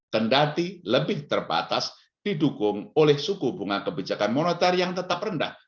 kendati lebih terbatas didukung oleh suku bunga kebijakan moneter yang tetap rendah